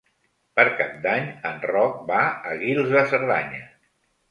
Per Cap d'Any en Roc va a Guils de Cerdanya.